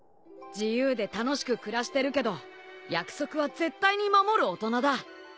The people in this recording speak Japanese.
自由で楽しく暮らしてるけど約束は絶対に守る大人だ。